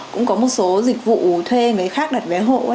cũng có một số dịch vụ thuê người khác đặt vé hộ